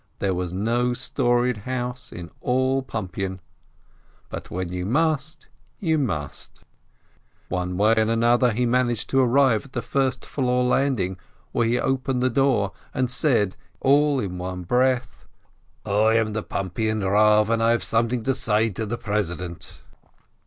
There was no storied house in all Pumpian ! But when you must, you must ! One way and another he managed to arrive at the first floor landing, where he opened the door, and said, all in one breath : "I am the Pumpian Rav, and have something to say to the president."